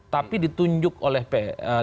tapi ditunjuk oleh p e a